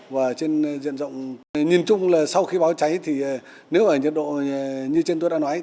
và trên diện rộng nhìn chung là sau khi báo cháy thì nếu ở nhiệt độ như trên tôi đã nói